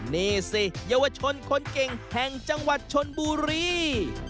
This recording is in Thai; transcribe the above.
นี่สิเยาวชนคนเก่งแห่งจังหวัดชนบุรี